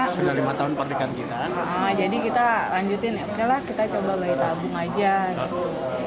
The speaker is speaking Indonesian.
sudah lima tahun perlikan kita nah jadi kita lanjutin ya okelah kita coba bayi tabung aja gitu